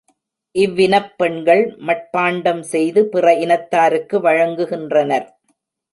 இவ்வினப் பெண்கள் மட்பாண்டம் செய்து பிற இனத்தாருக்கு வழங்குகின்றனர்.